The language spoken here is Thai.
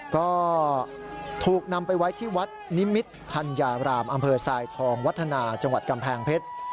ก็ถูกนำไปไว้ที่วัดนิมิตรธัญญารามอำเภอทรายทองวัฒนาจังหวัดกำแพงเพชร